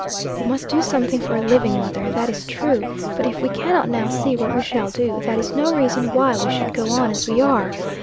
"We must do something for a living, mother, that is true. But if we cannot now see what we shall do, that is no reason why we should go on as we are.